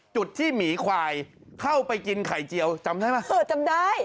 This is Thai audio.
จุดที่หมีควายเข้าไปกินไข่เจียวจำได้ไหมเออจำได้